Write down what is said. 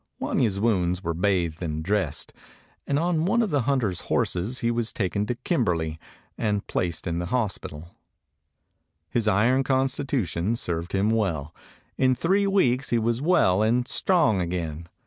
Wanya's wounds were bathed and dressed, and on one of the hunters' horses he was taken to Kimberley, and placed in the hospital. His iron constitution served him well. In three weeks he was well and strong again.